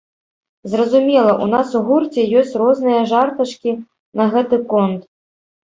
Зразумела, у нас у гурце ёсць розныя жартачкі на гэты конт.